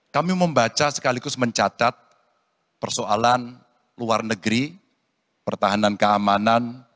kami membaca sekaligus mencatat persoalan luar negeri pertahanan keamanan